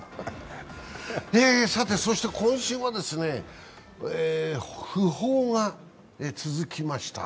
そして今週も訃報が続きました。